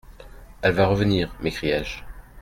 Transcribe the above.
«Elle va revenir !» m'écriai-je.